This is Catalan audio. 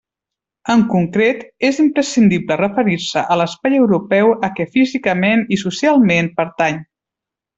En concret, és imprescindible referir-se a l'espai europeu a què físicament i socialment pertany.